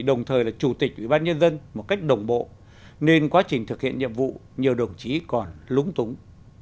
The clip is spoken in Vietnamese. đồng thời là chủ tịch ủy ban nhân dân một cách đồng bộ nên quá trình thực hiện nhiệm vụ nhiều đồng chí còn lúng túng